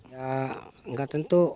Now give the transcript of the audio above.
ya nggak tentu